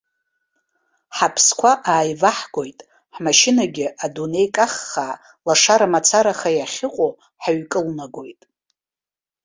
Ҳаԥсқәа ааиваҳгоит, ҳмашьынагьы адунеи каххаа, лашара мацараха иахьыҟоу ҳаҩкылнагоит.